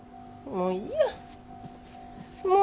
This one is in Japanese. もういい。